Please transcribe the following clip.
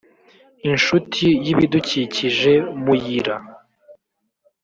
inshuti y ibidukikije muyira